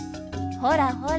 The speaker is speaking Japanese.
ほらほら